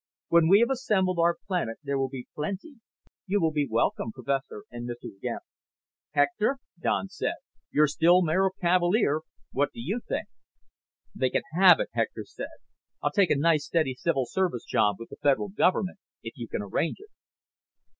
"When we have assembled our planet there will be plenty. You will be welcome, Professor and Mrs. Garet." "Hector?" Don said. "You're still mayor of Cavalier. What do you think?" "They can have it," Hector said. "I'll take a nice steady civil service job with the Federal Government, if you can arrange it."